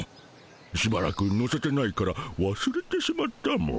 しばらく乗せてないからわすれてしまったモ。